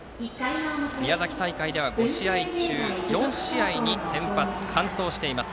宮崎大会では５試合中４試合に先発、完投しています。